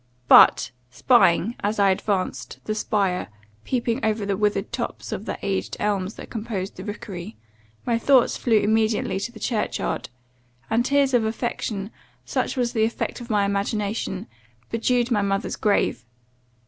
But, spying, as I advanced, the spire, peeping over the withered tops of the aged elms that composed the rookery, my thoughts flew immediately to the churchyard, and tears of affection, such was the effect of my imagination, bedewed my mother's grave!